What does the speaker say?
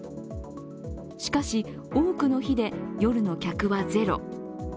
しかし、多くの日で夜の客はゼロ。